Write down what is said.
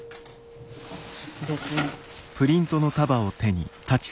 別に。